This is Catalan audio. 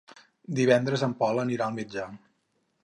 Divendres en Pol anirà al metge.